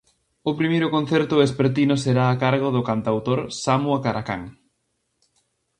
O primeiro concerto vespertino será a cargo do cantautor Samu Acaracán.